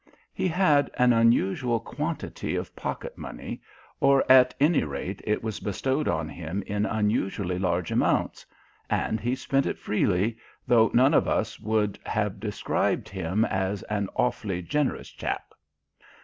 He had an unusual quantity of pocket money; or, at any rate, it was bestowed on him in unusually large amounts; and he spent it freely, though none of us would have described him as an "awfully generous chap."